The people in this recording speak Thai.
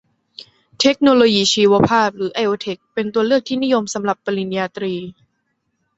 เทคโนโลยีชีวภาพ หรือ ไอโอเทค เป็นตัวเลือกที่นิยมสำหรับปริญญาตรี